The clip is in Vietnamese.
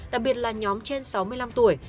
đặc biệt là nhóm trên sáu mươi năm tuổi